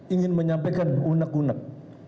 ingin menyampaikan unek unek